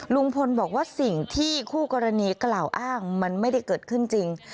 ลุงพลบอกว่าสิ่งที่คู่กรณีกล่าวอ้างมันไม่ได้เกิดขึ้นจริง